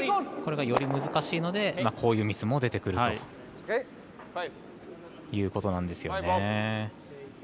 これがより難しいのでミスも出てくるということなんですよね。